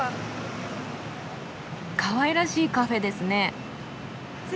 かわいらしいカフェですね。